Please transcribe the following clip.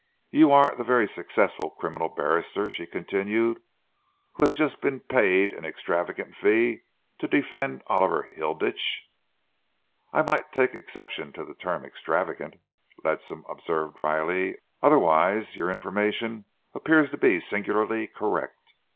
"You are the very successful criminal barrister," she continued, "who has just been paid an extravagant fee to defend Oliver Hilditch." "I might take exception to the term 'extravagant'," Ledsam observed drily. "Otherwise, your information appears to be singularly correct.